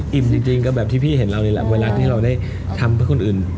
จริงก็แบบที่พี่เห็นเรานี่แหละเวลาที่เราได้ทำเพื่อคนอื่น